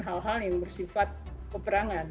hal hal yang bersifat peperangan